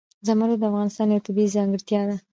زمرد د افغانستان یوه طبیعي ځانګړتیا ده.